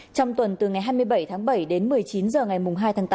trong tuần từ ngày hai mươi bảy tháng bảy đến một mươi chín h ngày hai tháng tám